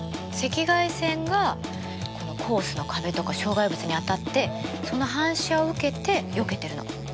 赤外線がこのコースの壁とか障害物に当たってその反射を受けてよけてるの。